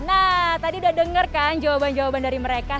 nah tadi udah dengar kan jawaban jawaban dari mereka